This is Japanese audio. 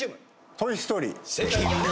『トイ・ストーリー』